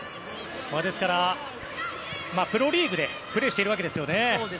ですからプロリーグでプレーしているわけですよね。